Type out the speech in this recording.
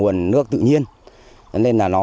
nơi nước ise relevant